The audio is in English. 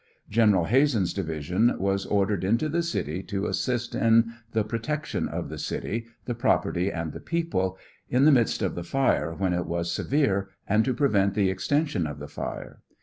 General Hazen's division was ordered 51 into the city to assist in the protection of the city, the property, and the people, in the midst of the fire when it was severe, and to prevent the extension of the fire.